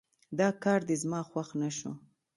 دا کار دې زما خوښ نه شو